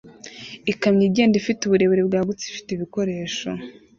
Ikamyo igenda ifite uburebure bwagutse ifite ibikoresho